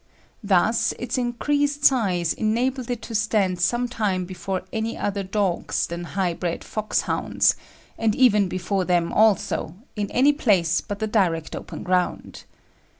Thus its increased size enabled it to stand some time before any other dogs than high bred foxhounds, and even before them also, in any place but the direct open ground.